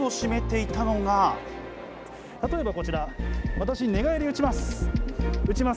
例えばこちら、私、寝返り打ちます。